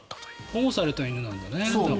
保護された犬なんだね。